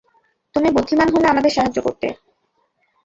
তুমি বুদ্ধিমান হলে, আমাদের সাহায্য করতে।